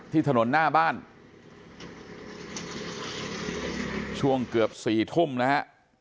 ถนนหน้าบ้านช่วงเกือบสี่ทุ่มนะฮะ